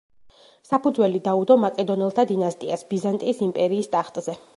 საფუძველი დაუდო მაკედონელთა დინასტიას ბიზანტიის იმპერიის ტახტზე.